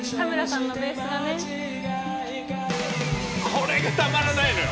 これがたまらないのよ！